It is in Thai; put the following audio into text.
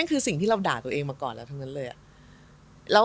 คือสิ่งที่เราด่าตัวเองมาก่อนแล้วทั้งนั้นเลย